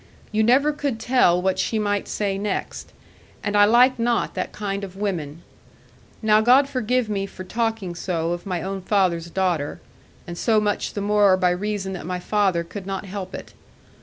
You never could tell what she might say next; and I like not that kind of women. Now God forgive me for talking so of my own father's daughter, and so much the more by reason that my father could not help it.